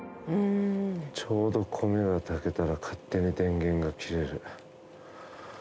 ちょうど米がたけたら、勝手に電源が切れる。